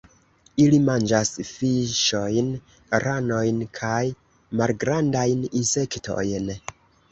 Ili manĝas fiŝojn, ranojn kaj malgrandajn insektojn.